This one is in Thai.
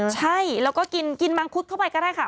ใช่แล้วก็กินมังคุดเข้าไปก็ได้ค่ะ